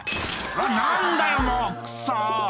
「何だよもう！クソ！」